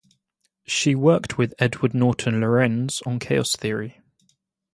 She worked with Edward Norton Lorenz on chaos theory.